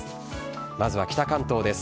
まずは北関東です。